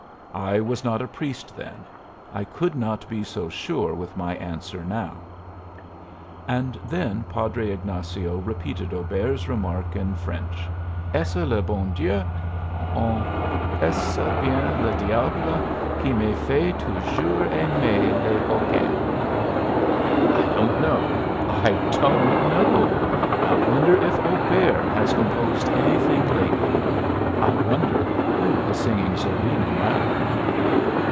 I was not a priest then. I could not be so sure with my answer now." And then Padre Ignazio repeated Auber's remark in French: "'Est ce le bon Dieu, on est ce bien le diable, qui me fait tonjours aimer les coquins?' I don't know! I don't know! I wonder if Auber has composed anything lately? I wonder who is singing Zerlina now?"